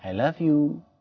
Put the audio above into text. hati lusuhan itu